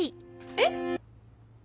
えっ？